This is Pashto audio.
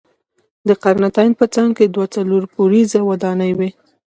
د قرنتین په څنګ کې دوه څلور پوړیزه ودانۍ وې.